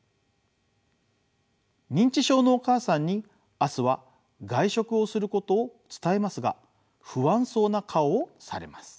認知症のお母さんに明日は外食をすることを伝えますが不安そうな顔をされます。